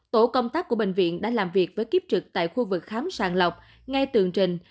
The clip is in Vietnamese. tổ công tác của bệnh viện đã làm việc với kiếp trực tại khu vực khám sàng lọc ngay từ trình